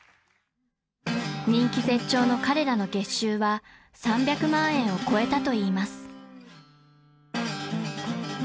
［人気絶頂の彼らの月収は３００万円を超えたといいます］